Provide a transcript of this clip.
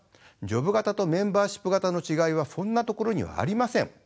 ジョブ型とメンバーシップ型の違いはそんなところにはありません。